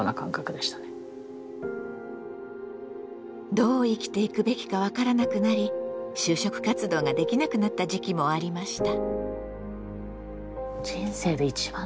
どう生きていくべきか分からなくなり就職活動ができなくなった時期もありました。